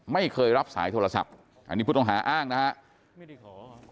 ไม่เคยรับสายโทรศัพท์อันนี้ผู้ต้องหาอ้างนะครับ